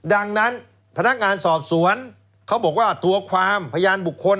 ดังนั้นพนักงานสอบสวนเขาบอกว่าตัวความพยานบุคคล